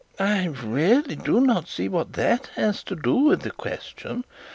'I really do not see what that has to do with the question.